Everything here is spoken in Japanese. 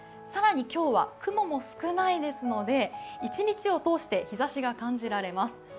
更に今日は雲も少ないですので一日を通して日ざしが感じられます。